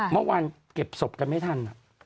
เมื่อวานเก็บศพกันไม่ทัน